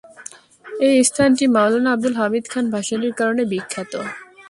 এই স্থানটি মওলানা আবদুল হামিদ খান ভাসানীর কারণে বিখ্যাত।